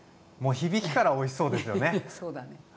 もう響きからおいしそうですよね！